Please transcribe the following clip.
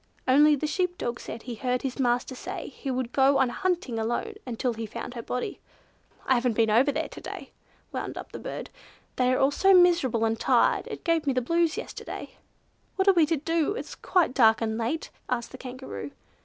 Only the sheep dog said he heard his master say he would go on hunting alone, until he found her body. I haven't been over there to day," wound up the bird, "they are all so miserable and tired, it gave me the blues yesterday." "What are we to do? It is quite dark and late!" asked the Kangaroo.